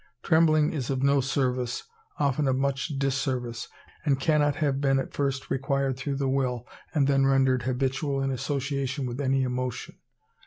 Trembling is of no service, often of much disservice, and cannot have been at first acquired through the will, and then rendered habitual in association with any emotion.